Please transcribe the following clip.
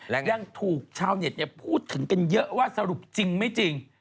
ยังถูกชาวเน็ตพูดถึงกันเยอะว่าสรุปจริงไม่จริง